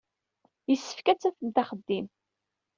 Yessefk ad d-tafemt axeddim.